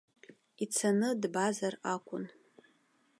Ицаны дбазар акәын.